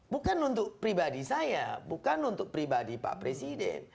bukan untuk pribadi saya bukan untuk pribadi pak presiden